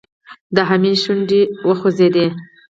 د حميد شونډې وخوځېدې.